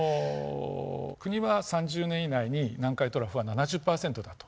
国は３０年以内に南海トラフは７０％だと。